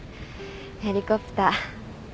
ヘリコプター。